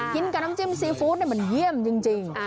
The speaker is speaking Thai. กินกับน้ำจิ้มซีฟู้ดมันเยี่ยมจริง